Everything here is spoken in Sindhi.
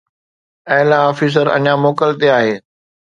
اعليٰ آفيسر اڃا موڪل تي آهي.